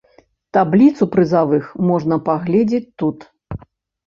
Табліцу прызавых можна паглядзець тут.